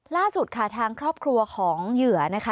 ล่าสุดค่ะทางครอบครัวของเหยื่อนะคะ